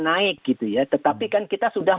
naik gitu ya tetapi kan kita sudah